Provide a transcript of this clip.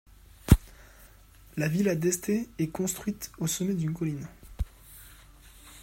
La Villa d'Este est construite au sommet d'une colline.